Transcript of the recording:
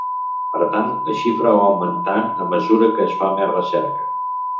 Per tant, la xifra va augmentant a mesura que es fa més recerca.